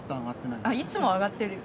いつも揚がってるよ。